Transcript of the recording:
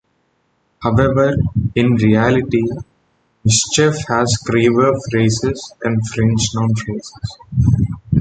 However, in reality, Michif has Cree verb phrases and French noun phrases.